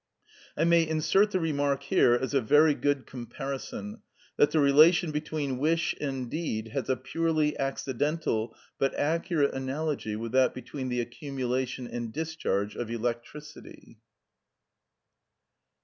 I may insert the remark here, as a very good comparison, that the relation between wish and deed has a purely accidental but accurate analogy with that between the accumulation and discharge of electricity.